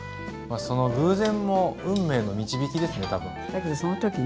その偶然も運命の導きですね多分。